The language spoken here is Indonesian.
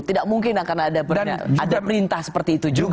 tidak mungkin akan ada perintah seperti itu juga